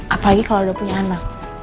apalagi kalau udah punya anak